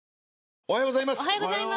おはようございます。